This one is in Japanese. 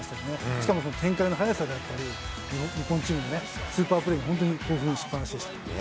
しかも展開の速さだったり、日本チームのスーパープレーに本当に興奮しっぱなしでした。